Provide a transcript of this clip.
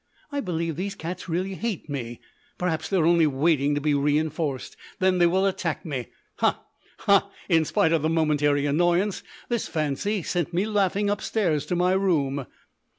I believe these cats really hate me. Perhaps they are only waiting to be reinforced. Then they will attack me. Ha, ha! In spite of the momentary annoyance, this fancy sent me laughing upstairs to my room.